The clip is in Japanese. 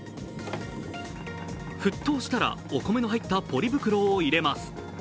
沸騰したらお米の入ったポリ袋を入れます。